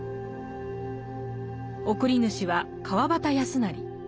送り主は川端康成。